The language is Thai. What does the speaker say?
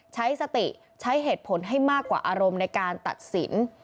ใช้สติใช้เหตุผลให้มากกว่าอารมณ์ในการตัดสิน